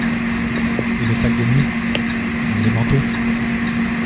Et le sac de nuit ?… les manteaux ?…